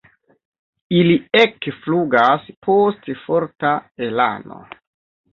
Ili ekflugas post forta elano.